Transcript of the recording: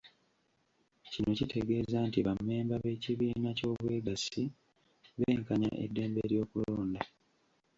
Kino kitegeeza nti bammemba b’ekibiina ky’obwegassi benkanya eddembe ly’okulonda.